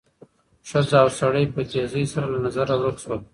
ښځه او سړی په تېزۍ سره له نظره ورک شول.